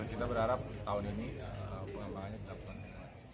kita berharap tahun ini pengambangannya terlalu